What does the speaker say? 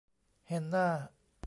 เฮนน่า